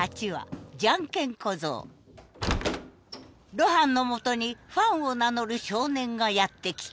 露伴のもとにファンを名乗る少年がやって来た。